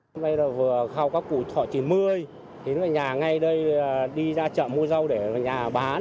hôm nay là vừa khau các củ thỏ chín mươi thì nó ở nhà ngay đây đi ra chợ mua rau để nhà bán